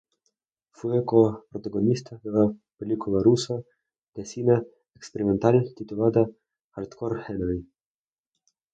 Fue co-protagonista en la película rusa de Cine experimental titulada Hardcore Henry.